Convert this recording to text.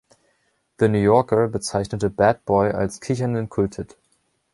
„The New Yorker“ bezeichnete „Bat Boy“ als „kichernden Kulthit“.